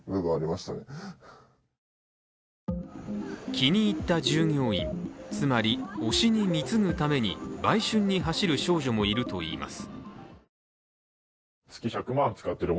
気に入った従業員、つまり推しに貢ぐために売春に走る少女もいるといいます。